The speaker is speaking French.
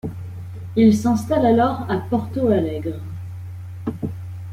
Il s'installe alors à Porto Alegre.